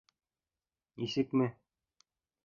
Нисекме?